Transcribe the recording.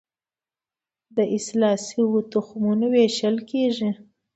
د اصلاح شویو تخمونو ویشل کیږي